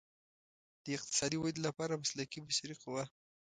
د اقتصادي ودې لپاره مسلکي بشري قوه.